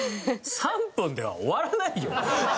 ３分では終わらないよ。